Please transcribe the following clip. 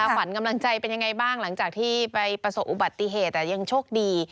ขวัญกำลังใจเป็นยังไงบ้างหลังจากที่ไปประสบอุบัติเหตุยังโชคดี